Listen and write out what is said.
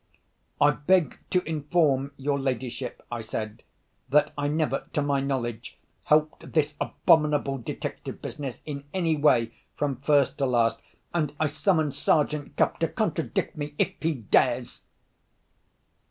"I beg to inform your ladyship," I said, "that I never, to my knowledge, helped this abominable detective business, in any way, from first to last; and I summon Sergeant Cuff to contradict me, if he dares!"